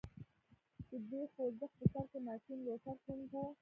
د دې خوځښت په سر کې مارټین لوټر کینګ و.